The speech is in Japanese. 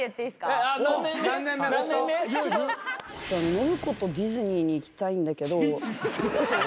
信子とディズニーに行きたいんだけど。